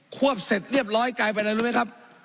วบเสร็จเรียบร้อยกลายเป็นอะไรรู้ไหมครับ